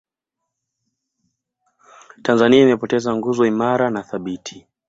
tanzania imepoteza nguzo imara na thabiti